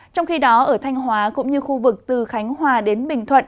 trong khi đó ở thanh hóa cũng như khu vực từ khánh hòa đến bình thuận